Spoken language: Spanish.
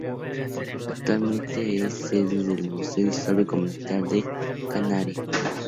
Actualmente es sede del Museo Histórico Militar de Canarias.